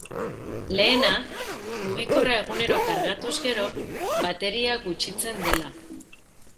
Lehena, mugikorra egunero kargatuz gero bateria gutxitzen dela.